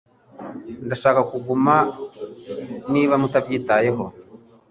Ndashaka kuguma niba mutabyitayeho